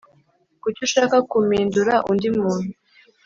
Kuki ushaka kumindura undi muntu